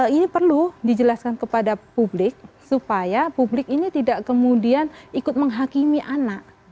ini perlu dijelaskan kepada publik supaya publik ini tidak kemudian ikut menghakimi anak